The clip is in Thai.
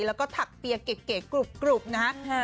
แล้วก็ถักเปียร์เก๋กรุบนะฮะ